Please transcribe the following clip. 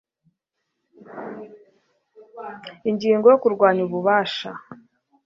Ingingo ya Kurwanya ububasha